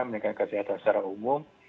meningkatkan kesehatan secara umum